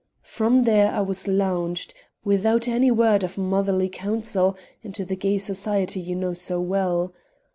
From there I was launched, without any word of motherly counsel, into the gay society you know so well.